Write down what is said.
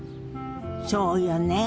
そうよね。